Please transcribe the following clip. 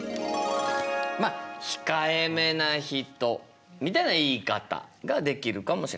まあ控えめな人みたいな言い方ができるかもしれない。